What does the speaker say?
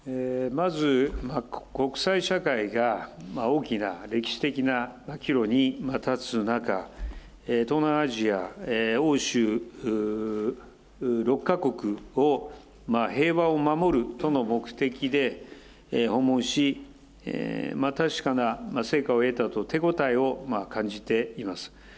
まず国際社会が、大きな歴史的な岐路に立つ中、東南アジア、欧州６か国を、平和を守るとの目的で、訪問し、確かな成果を得たと、手応えを感じています。